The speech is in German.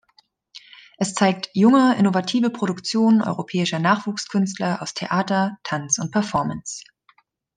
Es zeigt junge innovative Produktionen europäischer Nachwuchskünstler aus Theater, Tanz und Performance.